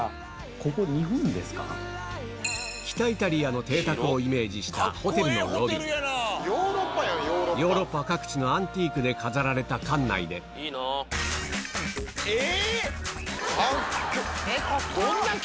北イタリアの邸宅をイメージしたヨーロッパ各地のアンティークで飾られた館内でえ